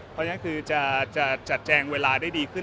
เพราะฉะนั้นคือจะจัดแจงเวลาได้ดีขึ้น